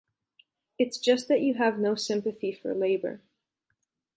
It's just that you have no sympathy for labour.